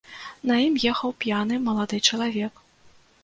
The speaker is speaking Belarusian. На ім ехаў п'яны малады чалавек.